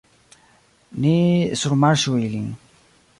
Ni surmarŝu ilin.